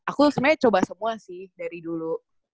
aku sebenarnya coba semua sih dari dulu